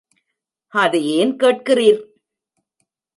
அதை ஏன் கேட்கிறீர்?